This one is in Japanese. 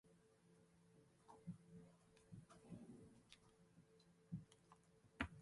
加茂川の西岸にあり、川を隔てて東山一帯はもとより、